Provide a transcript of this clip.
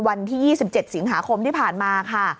วันที่๒๗สิงหาคมที่ผ่านมาค่ะ